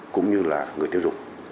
cũng như là người tiêu dụng